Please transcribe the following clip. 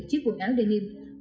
chiếc quần áo denims